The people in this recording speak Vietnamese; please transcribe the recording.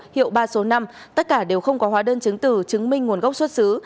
hiệu ba số năm tất cả đều không có hóa đơn chứng từ chứng minh nguồn gốc xuất xứ